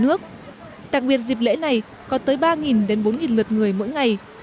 nguyên dịp lễ này có tới ba bốn lượt người mỗi ngày